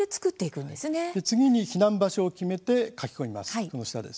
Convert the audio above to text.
次に避難場所を決めて書き込みます。